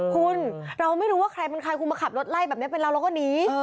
คุณเราไม่รู้ว่าใครเป็นใครคุณมาขับรถไล่แบบนี้เป็นเราเราก็หนี